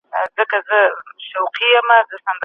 هغه یوازې خپله ارامه ساه اخلي.